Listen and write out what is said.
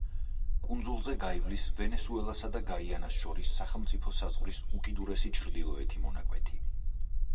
კუნძულზე გაივლის ვენესუელასა და გაიანას შორის სახელმწიფო საზღვრის უკიდურესი ჩრდილოეთი მონაკვეთი.